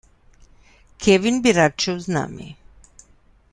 Kevin bi rad šel z nami.